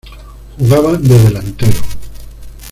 Jugaba de Delantero.